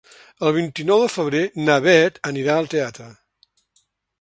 El vint-i-nou de febrer na Bet anirà al teatre.